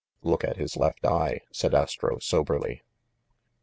"Look at his left eye," said Astro soberly.